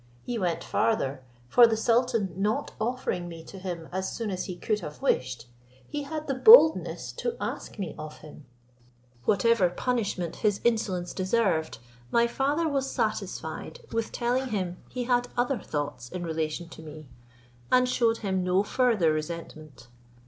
He went farther; for the sultan not offering me to him as soon as he could have wished, he had the boldness to ask me of him. Whatever punishment his insolence deserved, my father was satisfied with telling him he had other thoughts in relation to me, and shewed him no further resentment.